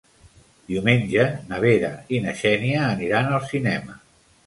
Diumenge na Vera i na Xènia aniran al cinema.